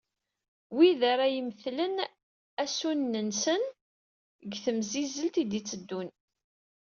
Wid ara imetlen asunen-nsen deg temsizzelt i d-itteddun.